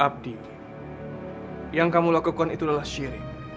abdi yang kamu lakukan itu adalah syirik